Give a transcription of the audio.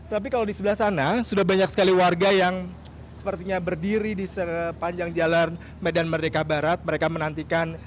tapi kalau di sebelah sana sudah banyak sekali warga yang sepertinya berdiri di sepanjang jalan medan merdeka barat mereka menantikan